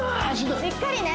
しっかりね